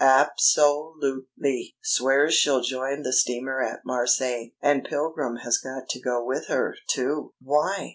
Ab so lute ly! Swears she'll join the steamer at Marseilles. And Pilgrim has got to go with her, too." "Why?"